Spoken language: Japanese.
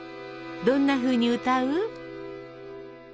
どんなふうに歌う？